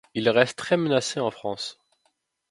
Il reste très menacé en France.